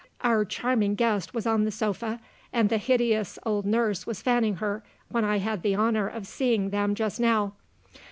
Our charming guest was on the sofa, and the hideous old nurse was fanning her, when I had the honour of seeing them just now.